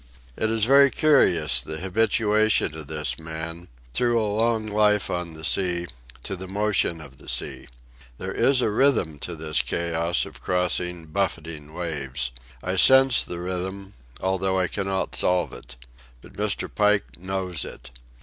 It is very curious, the habituation of this man, through a long life on the sea, to the motion of the sea. There is a rhythm to this chaos of crossing, buffeting waves. I sense this rhythm, although I cannot solve it. But Mr. Pike knows it.